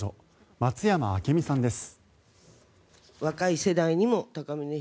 松山明美さんです。